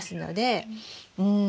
うん